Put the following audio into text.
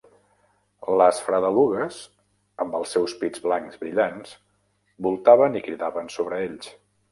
Les fredelugues, amb els seus pits blancs brillants, voltaven i cridaven sobre ells.